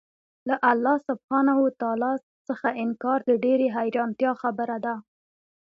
له الله سبحانه وتعالی څخه انكار د ډېري حيرانتيا خبره ده